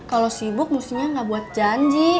kalo sibuk mustinya gak buat janji